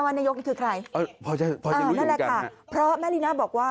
นายกนี่คือใครพอจะรู้นั่นแหละค่ะเพราะแม่ลีน่าบอกว่า